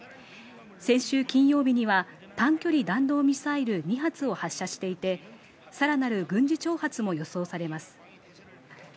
先週金曜日には短距離弾道ミサイル２発を発射していて、さらなる軍事挑発も予想されます。